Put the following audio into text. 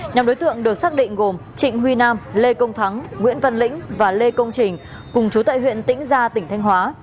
nhóm đối tượng được xác định gồm trịnh huy nam lê công thắng nguyễn văn lĩnh và lê công trình cùng chú tại huyện tĩnh gia tỉnh thanh hóa